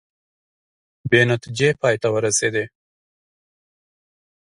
بې نتیجې پای ته ورسیدې